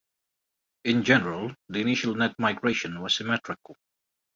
In general, the initial net migration was symmetrical.